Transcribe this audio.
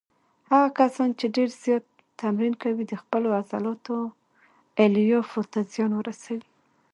هغه کسان چې ډېر زیات تمرین کوي د خپلو عضلاتو الیافو ته زیان ورسوي.